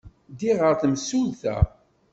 Ddiɣ ɣer temsulta.